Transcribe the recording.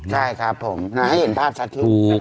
ใช่ครับผมให้เห็นภาพชัดที่สุด